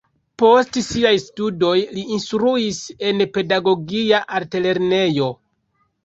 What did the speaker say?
Post siaj studoj li instruis en pedagogia altlernejo.